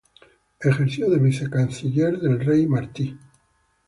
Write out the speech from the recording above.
Ejerció de vicecanciller del rey Martí.